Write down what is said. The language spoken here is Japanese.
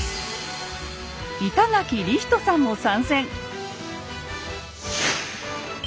板垣李光人さんも参戦！